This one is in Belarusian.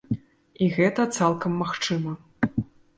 І гэта цалкам магчыма.